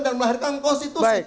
dan melahirkan konstitusi